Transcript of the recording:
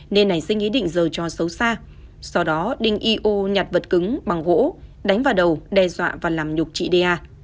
nên này xinh ý định dờ trò xấu xa sau đó đinh y ô nhặt vật cứng bằng gỗ đánh vào đầu đe dọa và làm nhục chị đê a